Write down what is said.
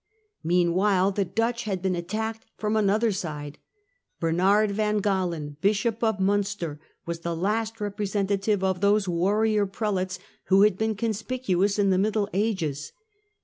Meanwhile the Dutch had been attacked from another side. Bernard Van Galen, Bishop of Munster, was the last representative of those warrior prelates who had been conspicuous in the Middle Ages.